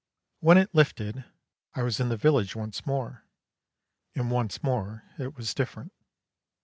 When it lifted I was in the village once more, and once more it was different.